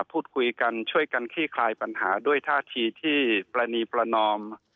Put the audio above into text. พูดคุยกันช่วยกันขี้คลายปัญหาด้วยท่าทีที่ปรณีประนอม